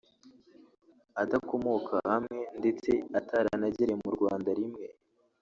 adakomoka hamwe ndetse ataranagereye mu Rwanda rimwe